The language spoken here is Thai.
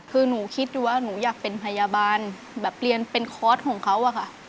คือหนูคิดดูว่าหนูอยากเป็นพยาบาลแบบเรียนเป็นคอร์สของเขาอะค่ะ